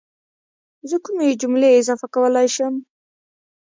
زه کومې جملې اضافه کولای شم